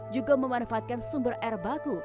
juga memanfaatkan sumber air baku